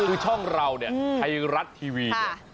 คือช่องเราเนี่ยไทยรัฐทีวีเนี่ย